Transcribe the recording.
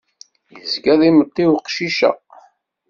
Izga d imeṭṭi uqcic-a.